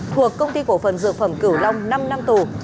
thuộc công ty cổ phần dược phẩm cửu long năm năm tù